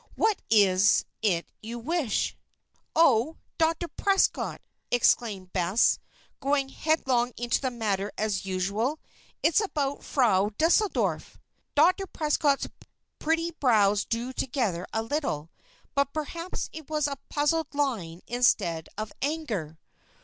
"What is it you wish?" "Oh, Dr. Prescott!" exclaimed Bess, going headlong into the matter as usual. "It's about Frau Deuseldorf." Dr. Prescott's pretty brows drew together a little; but perhaps it was a puzzled line instead of anger.